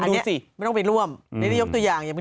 อันเนี่ยไม่ต้องไปร่วมไม่ใช่ได้ยกตัวอย่าง